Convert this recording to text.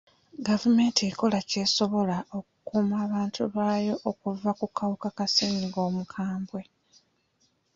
Gavumenti ekola ky'esobola okukuuma abantu baayo okuva ku kawuka ka ssenyiga omukambwe.